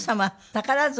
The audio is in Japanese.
宝塚